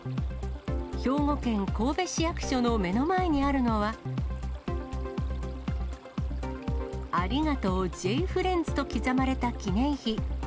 兵庫県神戸市役所の目の前にあるのは、ありがとうＪーＦＲＩＥＮＤＳと刻まれた記念碑。